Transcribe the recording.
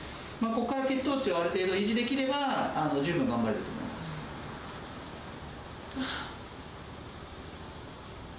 ここから血糖値をある程度、維持できれば、十分、頑張れるとはぁ。